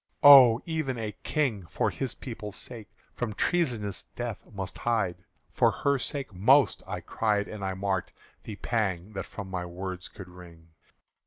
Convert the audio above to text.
"Oh! even a King, for his people's sake, From treasonous death must hide!" "For her sake most!" I cried, and I marked The pang that my words could wring.